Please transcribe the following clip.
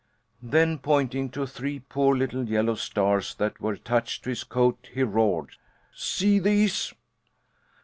Then, pointing to three poor little yellow stars that were attached to his coat, he roared: "See these?"